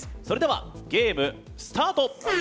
それではゲーム、スタート！